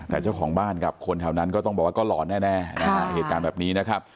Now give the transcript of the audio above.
แต่เจ้าของบ้านกับคนแถวนั้นก็ต้องบอกว่าก็หลอนแน่นะฮะเหตุการณ์แบบนี้นะครับ